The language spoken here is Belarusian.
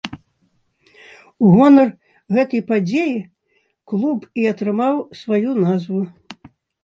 У гонар гэтай падзеі клуб і атрымаў сваю назву.